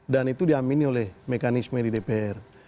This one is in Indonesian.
dan itu diamin oleh mekanisme di dpr